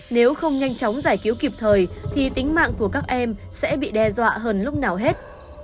nếu không nhanh chóng giải cứu kịp thời thì tính mạng của các em sẽ bị đe dọa hơn lúc nào hết